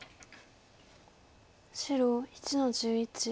白１の十一。